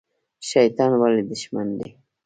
شیطان ولې دښمن دی؟